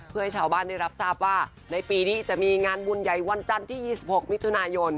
เพื่อให้ชาวบ้านได้รับทราบว่าในปีนี้จะมีงานบุญใหญ่วันจันทร์ที่๒๖มิถุนายน